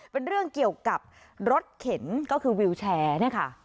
เป็นเรื่องเกี่ยวกับรถเข็นก็คือวิวแชร์เนี่ยค่ะ